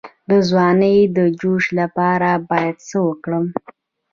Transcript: د ځوانۍ د جوش لپاره باید څه وکړم؟